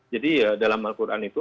jadi ya dalam al quran itu